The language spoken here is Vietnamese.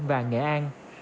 và nghệ an